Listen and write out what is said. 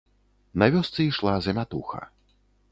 На вёсцы ішла замятуха.